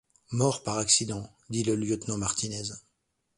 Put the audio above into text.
Mort par accident ! dit le lieutenant Martinez